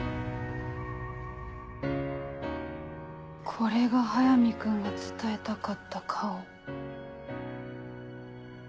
これが早見君が伝えたかった顔。